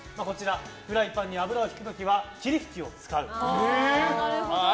フライパンに油をひく時は霧吹きを使う。